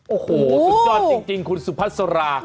โอ้โฮสุดยอดจริงคุณสุภาษณ์สลาค